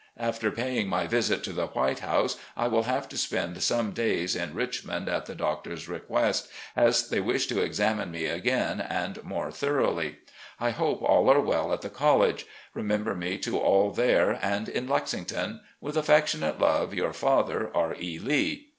After paying my visit to the 'White House' I will have to spend some days in Richmond at the doctors' request, as they wish to ex amine me again and more thoroughly. I hope all are well at the college. Remember me to all there and in' Lexington. "With affectionate love. Your father, "R. E. Lee.